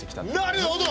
なるほど！